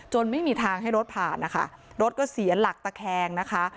ไม่มีทางให้รถผ่านนะคะรถก็เสียหลักตะแคงนะคะ